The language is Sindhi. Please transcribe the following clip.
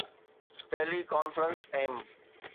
tele conference M